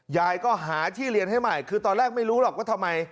ยายก็หาที่เรียนให้ใหม่คือตอนแรกไม่รู้หรอกว่าทำไม